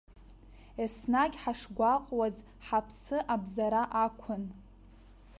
Еснагь ҳашгәаҟуаз ҳаԥсы абзара ақәын.